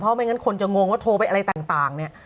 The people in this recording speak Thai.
ไม่งั้นคนจะงงว่าโทรไปอะไรต่างเนี่ย